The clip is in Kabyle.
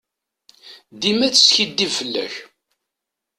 Dima teskidib fell-ak.